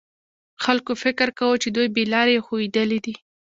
خلکو فکر کاوه چې دوی بې لارې او ښویېدلي دي.